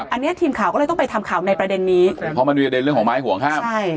อันนี้ทีมข่าวก็เลยต้องไปทำข่าวในประเด็นนี้เพราะมันมีประเด็นเรื่องของไม้ห่วงห้ามใช่